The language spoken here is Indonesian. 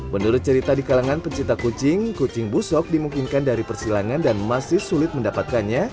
menurut cerita di kalangan pencinta kucing kucing busok dimungkinkan dari persilangan dan masih sulit mendapatkannya